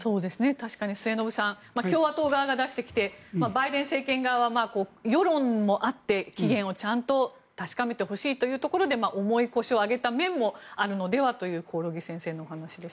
確かに末延さん共和党側が出してきてバイデン政権側は世論もあって、起源をちゃんと確かめてほしいというところで重い腰を上げた面もあるのではという興梠先生のお話です。